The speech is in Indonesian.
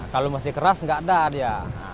kalau masih keras nggak ada dia